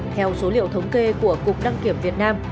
theo số liệu thống kê của cục đăng kiểm việt nam